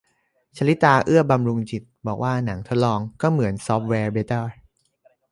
ชลิตา เอื้อบำรุงจิต บอกว่า หนังทดลอง ก็เหมือน ซอฟต์แวร์เบต้า